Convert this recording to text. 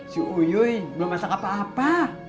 si uyu belum masak apa apa